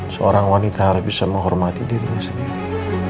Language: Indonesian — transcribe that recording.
seorang wanita harus bisa menghormati dirinya sendiri